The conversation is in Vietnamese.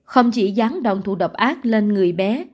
không chỉ dán đòn thù độc ác lên người bé